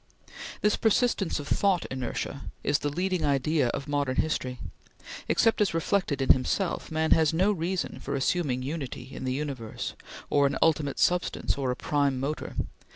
This persistence of thought inertia is the leading idea of modern history. Except as reflected in himself, man has no reason for assuming unity in the universe, or an ultimate substance, or a prime motor.